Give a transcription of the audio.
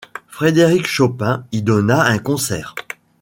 Frédéric Chopin y donna un concert.